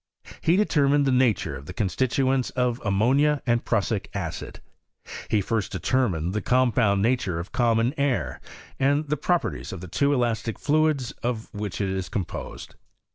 He determined the nature of the constituents of ammonia and pnissic ' acid ; he first determined the compound nature of . common air, and the properties of the two elastic' fluids of which it is composed.